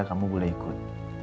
kamu boleh ikut